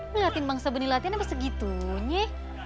lu latihan bang sabeni latihan apa segitunya